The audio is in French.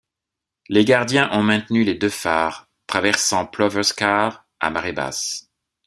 Les gardiens ont maintenu les deux phares, traversant Plover Scar à marée basse.